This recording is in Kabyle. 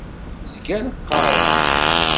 Zgan qqaren.